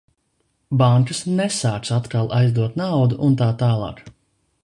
Bankas nesāks atkal aizdot naudu un tā tālāk.